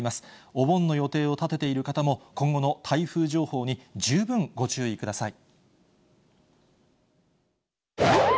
お盆の予定を立てている方も、今後の台風情報に十分ご注意ください。